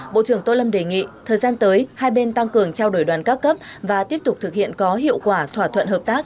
bộ trưởng tô lâm đề nghị thời gian tới hai bên tăng cường trao đổi đoàn các cấp và tiếp tục thực hiện có hiệu quả thỏa thuận hợp tác